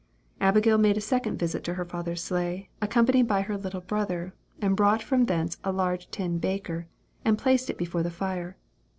Abigail made a second visit to her father's sleigh, accompanied by her little brother, and brought from thence a large tin baker, and placed it before the fire.